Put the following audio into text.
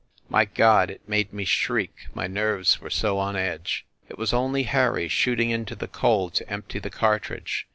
My God! It made me shriek, my nerves were so on edge. It was only Harry shooting into the coal to empty the cartridge.